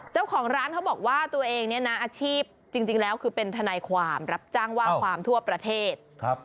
เจ้าของร้านเขาบอกว่าตัวเองเนี่ยนะอาชีพจริงแล้วคือเป็นทนายความรับจ้างว่าความทั่วประเทศ